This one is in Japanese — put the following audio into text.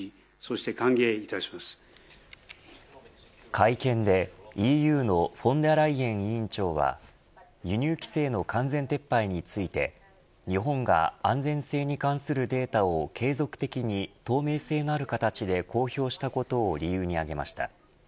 会見でＥＵのフォンデアライエン委員長は輸入規制の完全撤廃について日本が安全性に関するデータを継続的に透明性のある形で公表したことを理由に挙げました。